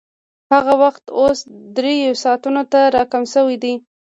هغه وخت اوس درېیو ساعتونو ته راکم شوی دی